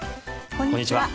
こんにちは。